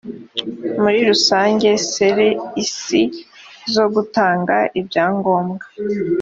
muri rusange ser isi zo gutanga ibyangombwa